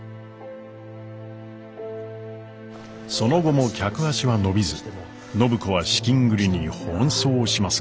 その後も客足は伸びず暢子は資金繰りに奔走しますが。